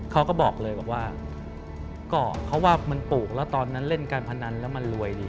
เขาบอกเลยบอกว่าก็เพราะว่ามันปลูกแล้วตอนนั้นเล่นการพนันแล้วมันรวยดี